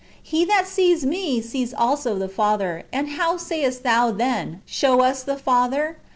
He that sees me, sees also the Father ; and how sayest thou then, Show us the Father